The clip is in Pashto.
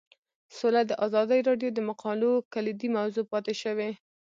سوله د ازادي راډیو د مقالو کلیدي موضوع پاتې شوی.